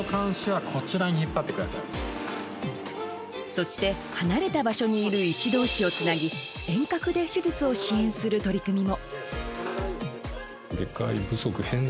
そして、離れた場所にいる医師同士をつなぎ遠隔で手術を支援する取り組みも。